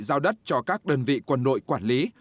giao đất cho các đơn vị quân đội quản lý